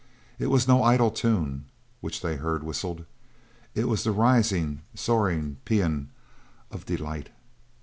It was no idle tune which they heard whistled. This was a rising, soaring pean of delight.